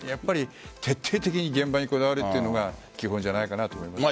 徹底的に現場にこだわりというのが基本じゃないかなと思います。